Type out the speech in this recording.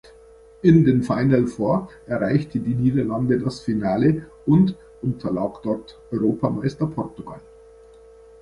In den "Final four" erreichte die Niederlande das Finale und unterlag dort Europameister Portugal.